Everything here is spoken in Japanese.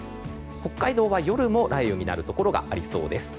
北海道は夜も雷雨になるところがありそうです。